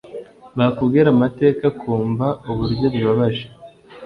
bakubwira amateka ukumva uburyo bibabaje